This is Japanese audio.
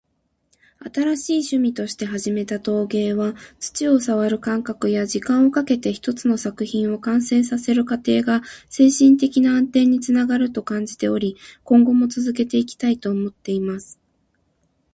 「新しい趣味として始めた陶芸は、土を触る感覚や、時間をかけて一つの作品を完成させる過程が精神的な安定につながると感じており、今後も続けていきたいと思っています。」